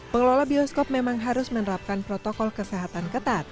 pengelola bioskop memang harus menerapkan protokol kesehatan ketat